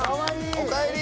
おかえり！